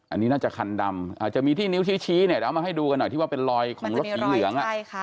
อันนี้น่าจะคันดำอาจจะมีที่นิ้วชี้เนี่ยเดี๋ยวเอามาให้ดูกันหน่อยที่ว่าเป็นรอยของรถสีเหลือง